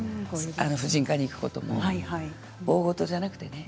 婦人科に行くことも大ごとではなくて。